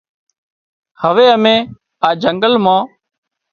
هوي امين آ جنگل مان